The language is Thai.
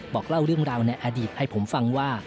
บอกเล่าเรื่องราวในอดีตให้ผมฟังว่า